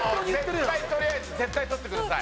２３を絶対取ってください。